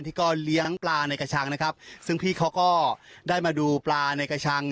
ที่ก็เลี้ยงปลาในกระชังนะครับซึ่งพี่เขาก็ได้มาดูปลาในกระชัง